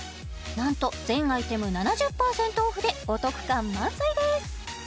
なんと全アイテム７０％オフでお得感満載です